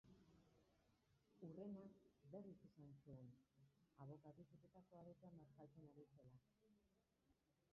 Hurrena, berriz esan zuen, abokatuz betetako aretoan bazkaltzen ari zirela.